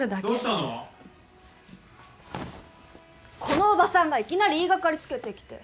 このおばさんがいきなり言い掛かりつけてきて。